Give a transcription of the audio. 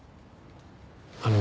あの。